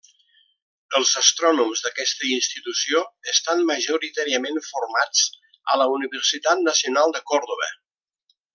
Els astrònoms d'aquesta institució estan majoritàriament formats a la Universitat Nacional de Córdoba.